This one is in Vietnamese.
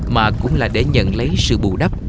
mà cũng là để nhận lấy sự bù đắp